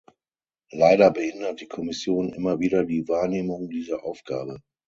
Leider behindert die Kommission immer wieder die Wahrnehmung dieser Aufgabe.